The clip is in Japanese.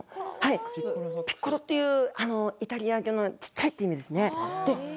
ピッコロという、イタリア語の小さいっていう意味ですね。